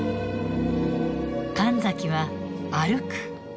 神崎は歩く。